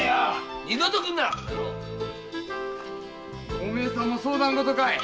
お前さんも相談事かい？